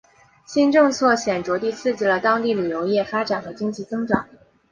新政策显着地刺激了当地旅游业发展和经济增长。